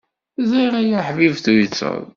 Ẓriɣ ay aḥbib tuyseḍ.